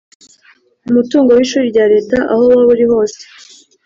Umutungo w ishuri rya Leta aho waba uri hose